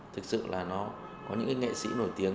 thực sự là nó có những cái nghệ sĩ nổi tiếng